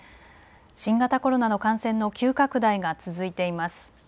新型コロナの感染の急拡大が続いています。